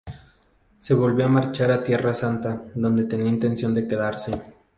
Volvió a marchar a Tierra Santa, donde tenía intención de quedarse.